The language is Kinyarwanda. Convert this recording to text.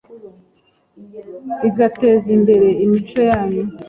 bigateza imbere imico yanyu